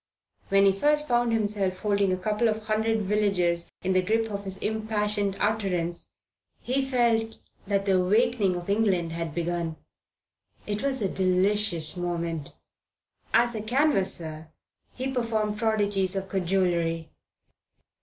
When he first found himself holding a couple of hundred villagers in the grip of his impassioned utterance he felt that the awakening of England had begun. It was a delicious moment. As a canvasser he performed prodigies of cajolery.